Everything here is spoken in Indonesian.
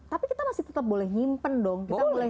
tapi kita masih tetap boleh nyimpen dong